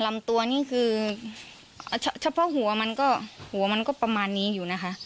ลำตัวนี่คือเฉพาะหัวมันก็หัวมันก็ประมาณนี้อยู่นะคะ